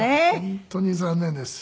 本当に残念です。